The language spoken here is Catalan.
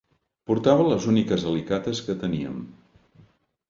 Portava les úniques alicates que teníem